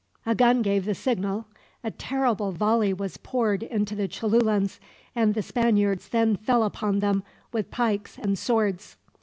A gun gave the signal, a terrible volley was poured into the Cholulans, and the Spaniards then fell upon them with pikes and swords.